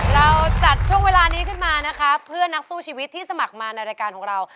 เราจัดช่วงเวลานี้ขึ้นมานะคะเพื่อนักสู้ชีวิตที่สมัครมาในรายการของเรา